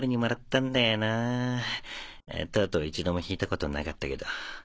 とうとう一度も弾いたことなかったけど。